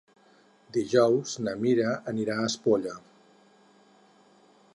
Dijous na Mira anirà a Espolla.